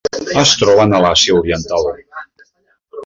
Es troben a l'Àsia oriental.